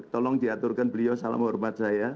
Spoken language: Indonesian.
tolong diaturkan beliau salam hormat saya